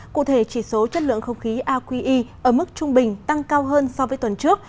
cụ thể chỉ số chất lượng không khí aqi ở mức trung bình tăng cao hơn so với tuần trước